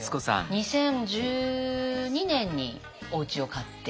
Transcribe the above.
２０１２年におうちを買って。